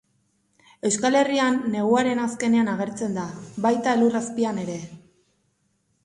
Euskal Herrian neguaren azkenean agertzen da, baita elur azpian ere.